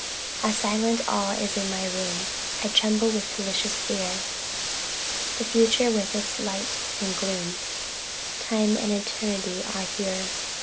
A silent awe is in my room I tremble with delicious fear; The future with its light and gloom, Time and Eternity are here.